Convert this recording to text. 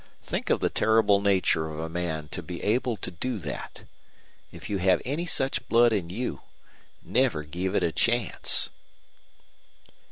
Think of the terrible nature of a man to be able to do that. If you have any such blood in you, never give it a chance."